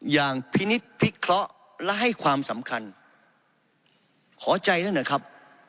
พินิษฐพิเคราะห์และให้ความสำคัญขอใจท่านหน่อยครับ